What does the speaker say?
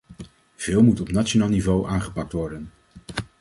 Veel moet op nationaal niveau aangepakt worden.